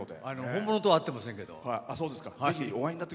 本物とは会ってませんけど。